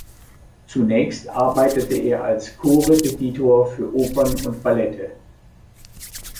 Zunächst arbeitete er als Korrepetitor für Opern und Ballette.